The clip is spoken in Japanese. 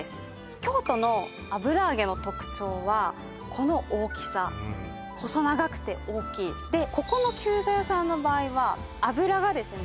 京都の油揚げの特徴はこの大きさ細長くて大きいここの久在屋さんの場合は油がですね